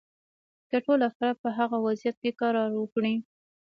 که ټول افراد په هغه وضعیت کې قرار ورکړو.